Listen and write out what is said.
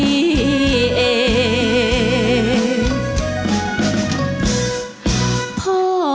แล้วก็